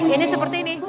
ini seperti ini